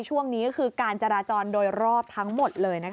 ช่วงนี้คือการจราจรโดยรอบทั้งหมดเลย